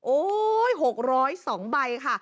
โอ๊ย๖๐๒ใบค่ะ